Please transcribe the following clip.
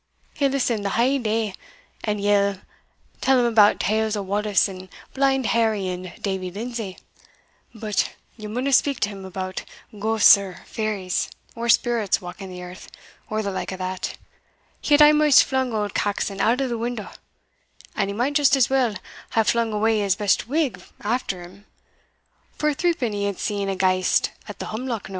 He'll listen the hale day, an yell tell him about tales o' Wallace, and Blind Harry, and Davie Lindsay; but ye maunna speak to him about ghaists or fairies, or spirits walking the earth, or the like o' that; he had amaist flung auld Caxon out o' the window (and he might just as weel hae flung awa his best wig after him), for threeping he had seen a ghaist at the humlock knowe.